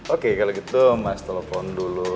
oke kalau gitu mas telepon dulu